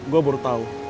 gue baru tau